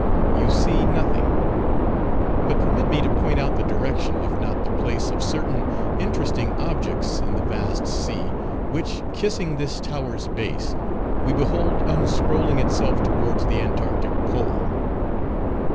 You see nothing; but permit me to point out the direction, if not the place, of certain interesting objects in the vast sea, which, kissing this tower's base, we behold unscrolling itself towards the Antarctic Pole.